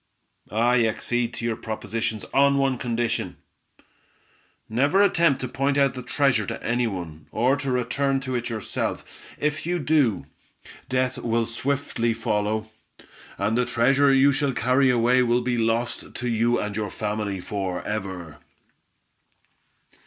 "I accede to your proposition on one condition! Never attempt to point out the treasure to any one, or to return to it yourself. If you do, death will swiftly follow, and the treasure you shall carry away will be lost to you and your family for ever."